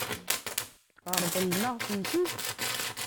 Ṛeḍlen-aɣ-tent-id?